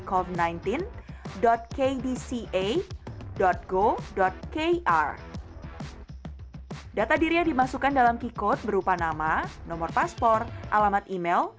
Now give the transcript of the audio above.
covid sembilan belas kdca go kr data dirinya dimasukkan dalam pikot berupa nama nomor paspor alamat email